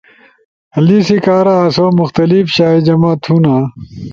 لیسی کارا آسو مخلتف شائی جمع تھونا